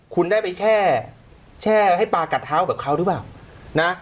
คุณได้ไปแช่ให้ปลากัดเท้าแบบเขาหรือเปล่านะ